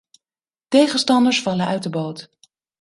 Tegenstanders vallen uit de boot.